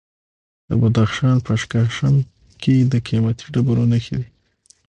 د بدخشان په اشکاشم کې د قیمتي ډبرو نښې دي.